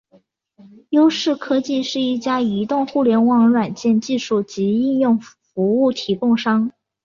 优视科技是一家移动互联网软件技术及应用服务提供商。